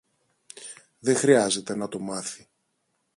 Δε χρειάζεται να το μάθει.